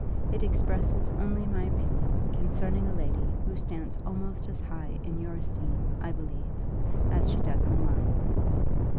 It expresses only my opinion concerning a lady who stands almost as high in your esteem, I believe, as she does in mine.